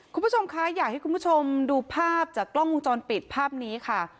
คุณผู้ชมคะอยากให้คุณผู้ชมดูภาพจากกล้องวงจรปิดภาพนี้ค่ะ